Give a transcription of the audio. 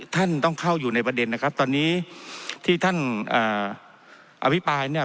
ท่านต้องเข้าอยู่ในประเด็นนะครับตอนนี้ที่ท่านอภิปรายเนี่ย